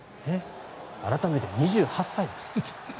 改めて、２８歳です。